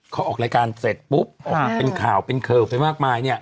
เขาออกรายการเสร็จปุ๊บออกมาเป็นข่าวเป็นข่าวไปมากมายเนี่ย